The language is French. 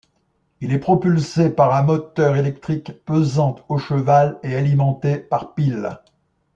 Il est propulsé par un moteur électrique pesant au cheval et alimenté par piles.